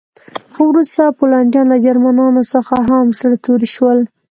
خو وروسته پولنډیان له جرمنانو څخه هم زړه توري شول